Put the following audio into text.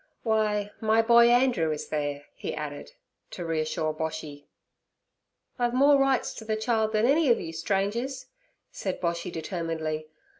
Why, my boy Andrew is there' he added, to reassure Boshy. 'I've more rights ter ther child than any ov you strangers' said Boshy determinedly.